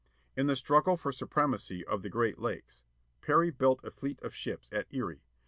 In the struggle for supremacy on the Great Lakes, Perry built a fleet of ships at Erie.